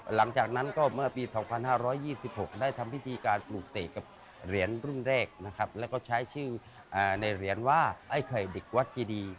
หลังจากนั้นก็เมื่อปี๒๕๒๖ได้ทำพิธีการปลูกเสกกับเหรียญรุ่นแรกนะครับแล้วก็ใช้ชื่อในเหรียญว่าไอ้ไข่เด็กวัดเจดี